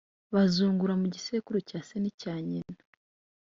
Bazungura mu gisekuru cya se n icya nyina